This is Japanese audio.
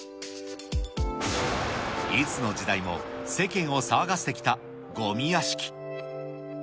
いつの時代も世間を騒がせてきたごみ屋敷。